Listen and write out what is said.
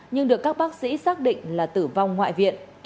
nhưng được các bác sĩ xác định là tử vong ngoại viện